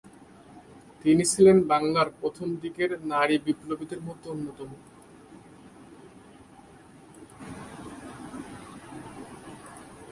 তিনি ছিলেন বাংলার প্রথম দিকের নারী বিপ্লবীদের মধ্যে অন্যতম।